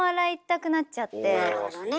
なるほどね。